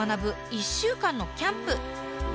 １週間のキャンプ。